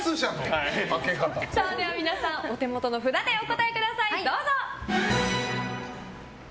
では、お手元の札でお答えください。